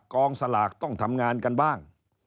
กองสลากต้องทำงานกันบ้าง